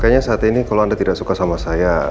kayaknya saat ini kalau anda tidak suka sama saya